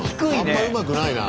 あんまうまくないな。